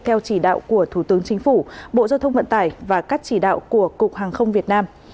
theo chỉ đạo của thủ tướng chính phủ bộ giao thông vận tải và các chỉ đạo của cục hàng không việt nam